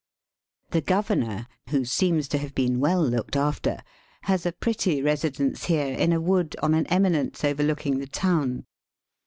The Governor, who seems to have been well looked after, has a pretty residence here in a wood on an eminence overlooking the town.